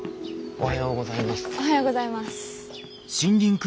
おはようございます。